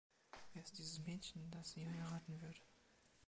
Wer ist dieses Mädchen, das sie heiraten wird?